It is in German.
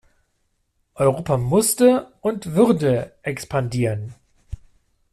Europa musste und würde expandieren.